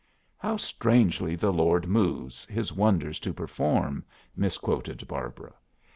"How strangely the Lord moves, his wonders to perform," misquoted Barbara.